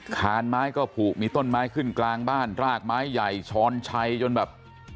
คานไม้ก็ผูกมีต้นไม้ขึ้นกลางบ้านรากไม้ใหญ่ช้อนชัยจนแบบ